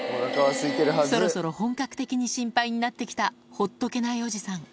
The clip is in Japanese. そろそろ本格的に心配になってきたほっとけないおじさん。